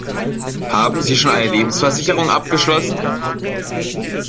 Haben Sie schon eine Lebensversicherung abgeschlossen?